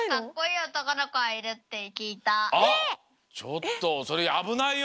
あっちょっとそれあぶないよ。